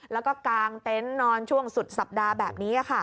แล้วก็กางเต็นต์นอนช่วงสุดสัปดาห์แบบนี้